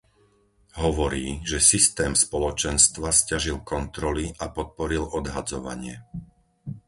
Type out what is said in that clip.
Hovorí, že systém Spoločenstva sťažil kontroly a podporil odhadzovanie.